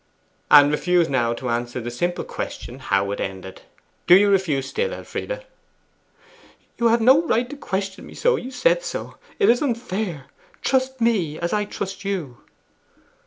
'And refuse now to answer the simple question how it ended. Do you refuse still, Elfride?' 'You have no right to question me so you said so. It is unfair. Trust me as I trust you.